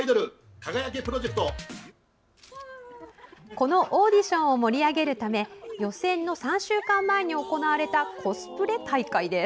このオーディションを盛り上げるため予選の３週間前に行われたコスプレ大会です。